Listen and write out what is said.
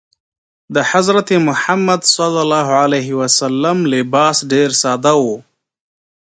د حضرت محمد ﷺ لباس ډېر ساده و.